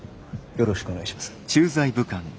よろしくお願いします。